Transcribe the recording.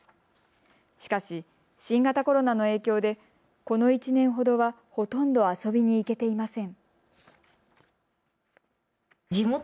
しかし新型コロナの影響でこの１年ほどは、ほとんど遊びに行けていません。